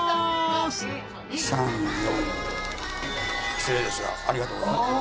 失礼ですがありがとうございました。